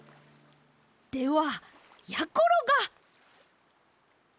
ではやころが！